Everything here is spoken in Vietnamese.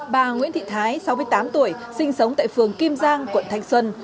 bà nguyễn thị thái sáu mươi tám tuổi sinh sống tại phường kim giang quận thanh xuân